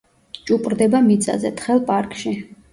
ჭუპრდება მიწაზე, თხელ პარკში.